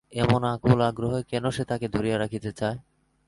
এমন আকুল আগ্রহে কেন সে তাকে ধরিয়া রাখতে চায়?